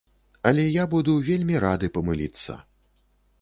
Але я буду вельмі рады памыліцца.